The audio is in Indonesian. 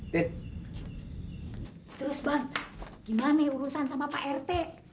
terus bang gimana urusan sama pak rt